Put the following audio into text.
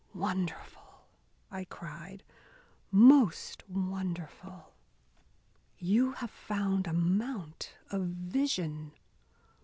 "Wonderful!" I cried. "Most wonderful! You have found a mount of vision."